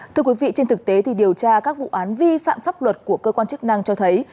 thưa quý vị trên thực tế điều tra các vụ án vi phạm pháp luật của cơ quan chức năng cho thấy